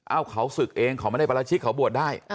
เขาศึกเองเขาไม่ได้ปราชิกเขาบวชได้